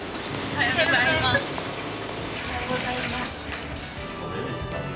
おはようございます。